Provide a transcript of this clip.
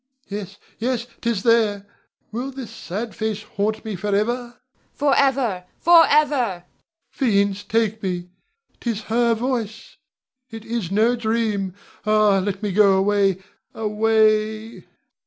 Yes, yes; 'tis there! Will this sad face haunt me forever? Theresa. Forever! Forever! Rod. Fiends take me, 'tis her voice! It is no dream. Ah, let me go away away!